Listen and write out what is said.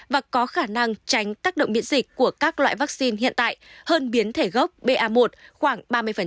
và có khả năng tránh tác động miễn dịch của các loại vaccine hiện tại hơn biến thể gốc ba khoảng ba mươi